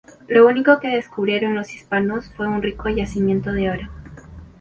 Lo único que descubrieron los hispanos fue un rico yacimiento de oro.